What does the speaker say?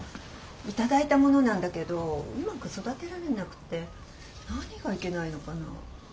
頂いたものなんだけどうまく育てられなくて何がいけないのかな？